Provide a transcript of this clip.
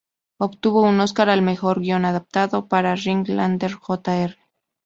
Obtuvo un Óscar al mejor guion adaptado para Ring Lardner Jr.